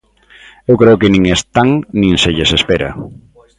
Eu creo que nin están nin se lles espera.